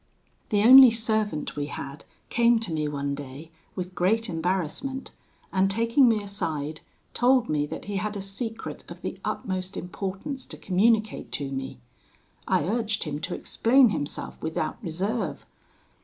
"The only servant we had came to me one day, with great embarrassment, and taking me aside, told me that he had a secret of the utmost importance to communicate to me. I urged him to explain himself without reserve.